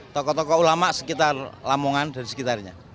tokoh tokoh ulama sekitar lamongan dan sekitarnya